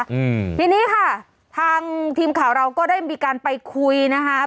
อืมทีนี้ค่ะทางทีมข่าวเราก็ได้มีการไปคุยนะคะ